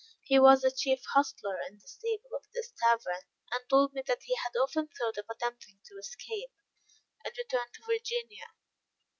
He was the chief hostler in the stable of this tavern, and told me that he had often thought of attempting to escape, and return to Virginia.